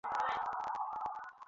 উনার কথা শুনলে, আর মারবে না।